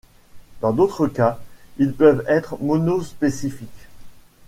Dans d'autres cas, ils peuvent être monospécifiques.